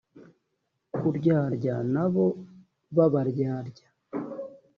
kuryarya na bo babaryarya